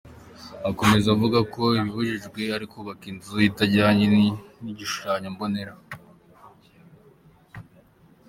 Akomeza avuga ko ikibujijwe ari ukubaka inzu itajyanye n’igishushanyo mbonera.